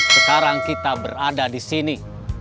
sekarang kita berada di sini